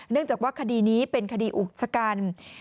เนื่องจากว่าคดีนี้เป็นคดีอุกษกรรม